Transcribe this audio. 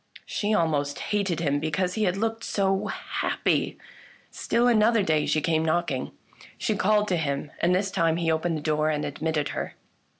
She almost hated him because he had looked so happy. Still another day she came knocking. She called to him, and this time he opened the door and admitted her.